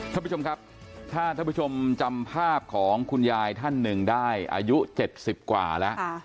ท่านผู้ชมครับถ้าท่านผู้ชมจำภาพของคุณยายท่านหนึ่งได้อายุ๗๐กว่าแล้ว